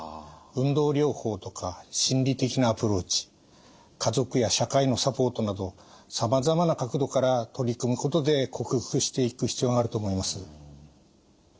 運動療法とか心理的なアプローチ家族や社会のサポートなどさまざまな角度から取り組むことで克服していく必要があると思います。